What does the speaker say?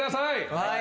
はい。